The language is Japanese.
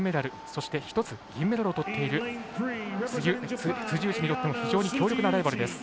そして１つ銀メダルをとっている辻内にとっても非常に強力なライバルです。